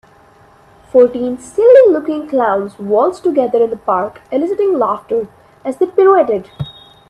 Fourteen silly looking clowns waltzed together in the park eliciting laughter as they pirouetted.